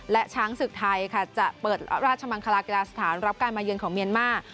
และช้างศึกไทยค่ะจะเปิดราชมังคลากีฬาสถานรับการมาเยือนของเมียนมาร์